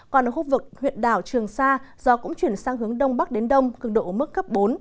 còn ở khu vực huyện đảo trường sa gió cũng chuyển sang hướng đông bắc đến đông cường độ ở mức cấp bốn